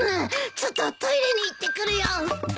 ちょっとトイレに行ってくるよ。